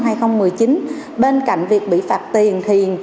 thì những người thực hiện hành vi có thể bị phạt lên đến một trăm linh triệu đồng